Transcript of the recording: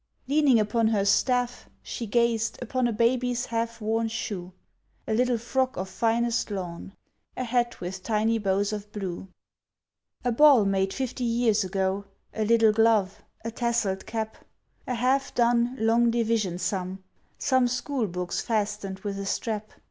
Leaning upon her staff, she gazed Upon a baby's half worn shoe; A little frock of finest lawn; A hat with tiny bows of blue; A ball made fifty years ago; A little glove; a tasselled cap; A half done "long division" sum; Some school books fastened with a strap.